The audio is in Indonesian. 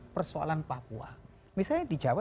persoalan papua misalnya di jawa